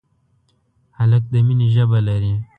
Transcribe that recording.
هلک د مینې ژبه لري.